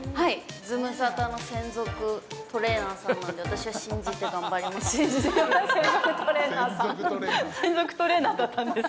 ズムサタの専属トレーナーさんなんで、私は信じて頑張ります。